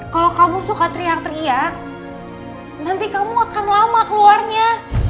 kalau kamu suka teriak teriak nanti kamu akan lama keluarnya